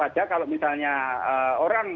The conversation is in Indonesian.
ada kalau misalnya orang